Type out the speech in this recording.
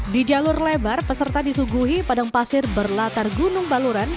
di jalur lebar peserta disuguhi padang pasir berlatar gunung baluran